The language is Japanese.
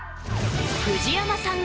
藤山さん